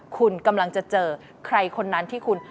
คุณกำลังจะเจอใครคนนั้นที่คุณ